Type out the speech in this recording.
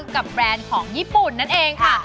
แบรนด์ของญี่ปุ่นนั่นเองค่ะ